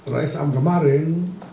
rais am kemarin